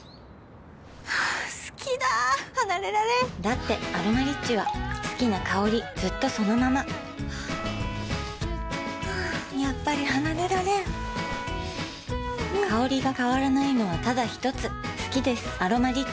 好きだ離れられんだって「アロマリッチ」は好きな香りずっとそのままやっぱり離れられん香りが変わらないのはただひとつ好きです「アロマリッチ」